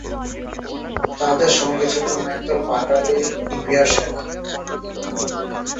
তাদের সঙ্গে ছিলেন একদল বাঙালি ইপিআর সেনা।